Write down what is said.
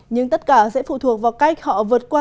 nhưng tất cả sẽ phụ thuộc vào cách họ vượt qua